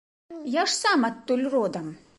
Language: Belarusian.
Я ж сам адтуль родам.